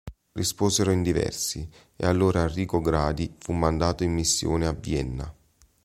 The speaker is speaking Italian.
Risposero in diversi e allora Arrigo Gradi fu mandato in missione a Vienna.